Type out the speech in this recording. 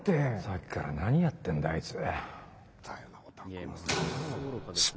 さっきから何やってんだあいつ。